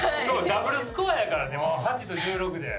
ダブルスコアやからね８と１６で。